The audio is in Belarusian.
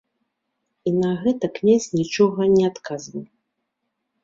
І на гэта князь нічога не адказваў.